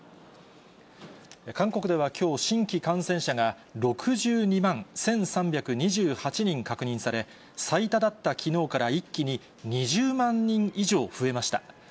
韓国ではきょう、新規感染者が６２万１３２８人確認され、最多だったきのうから、一気に２０万人以上増えました。